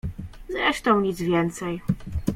Zresztą nic więcej.